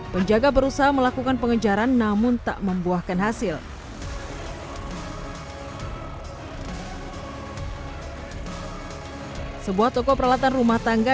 penjaga berusaha melakukan pengejaran namun tak membuahkan hasil sebuah toko peralatan rumah tangga